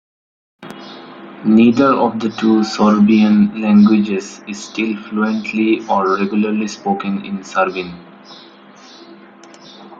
Neither of the two Sorbian languages is still fluently or regularly spoken in Serbin.